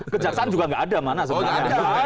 kejaksaan juga nggak ada mana sebenarnya